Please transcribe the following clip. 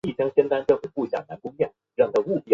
绍治帝曾御赐米字部起名。